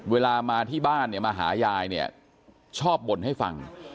เวลามาที่บ้านเนี่ยมาหายายเนี่ยชอบบ่นให้ฟัง